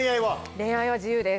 恋愛は自由です